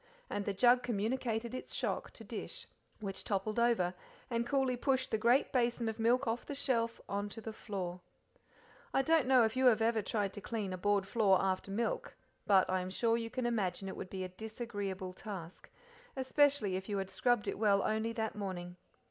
And the jug communicated its shock to dish. Which toppled over, and coolly pushed the great basin of milk off the shelf on to the floor. I don't know if ever you have tried to clean a board floor after milk, but I am sure you can imagine it would be a disagreeable task, especially if you had scrubbed it well only that morning.